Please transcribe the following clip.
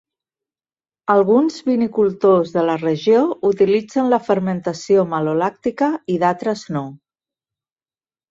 Alguns vinicultors de la regió utilitzen la fermentació malolàctica i d'altres, no.